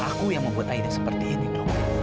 aku yang membuat aida seperti ini tuh